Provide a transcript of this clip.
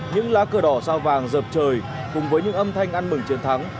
những lá cờ đỏ xa vàng dợp trời cùng với những âm thanh ăn mừng chiến thắng